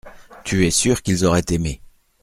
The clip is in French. Tu es sûr qu’ils auraient aimé.